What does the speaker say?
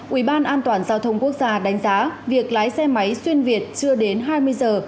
ủy ban an toàn giao thông quốc gia đánh giá việc lái xe máy xuyên việt chưa đến hai mươi giờ